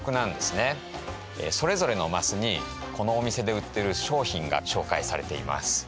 それぞれのマスにこのお店で売ってる商品が紹介されています。